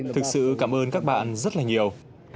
thực sự cảm ơn các bạn rất là nhiều